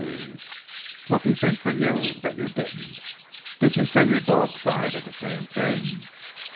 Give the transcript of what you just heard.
B. C.... Lucky thing for you that you didn't! Did you say your dogs died of the same thing?"